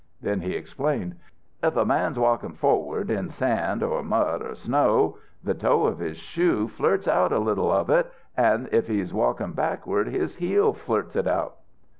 Then he explained: 'If a man's walkin' forward in sand or mud or snow the toe of his shoe flirts out a little of it, an' if he's walkin' backward his heel flirts it out.'